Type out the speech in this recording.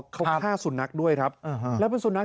เขาฆ่าสุนัขด้วยครับแล้วเป็นสุนัข